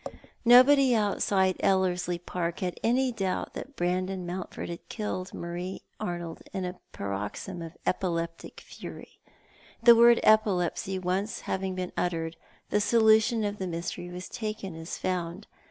Nobody outside Ellerslie Park had any doubt that Brandon IMountford had killed Marie Arnold, in a paroxysm of epileptic fury. The word epilepsy once having been uttered, the solution of the mystery was taken as found.